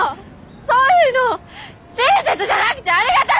そういうの親切じゃなくてありがた